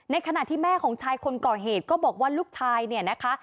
ขณะที่แม่ของชายคนก่อเหตุก็บอกว่าลูกชายเนี่ยนะคะ